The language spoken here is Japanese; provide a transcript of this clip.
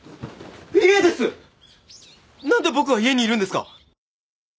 何で僕は家にいるんですか！？